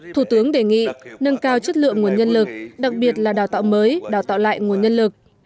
thủ tướng đề nghị nâng cao chất lượng nguồn nhân lực đặc biệt là đào tạo mới đào tạo lại nguồn nhân lực